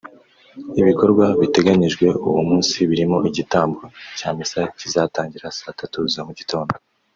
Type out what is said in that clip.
Ibikorwa biteganyijwe uwo munsi birimo igitambo cya misa kizatangira saa tatu za mugitondo